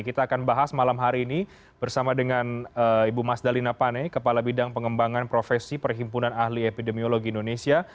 kita akan bahas malam hari ini bersama dengan ibu mas dalina pane kepala bidang pengembangan profesi perhimpunan ahli epidemiologi indonesia